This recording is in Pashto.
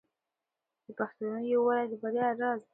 د پښتنو یووالی د بریا راز دی.